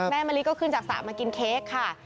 มะลิก็ขึ้นจากสระมากินเค้กค่ะ